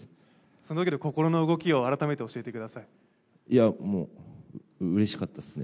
そのときの心の動きを改めてもう、うれしかったですね。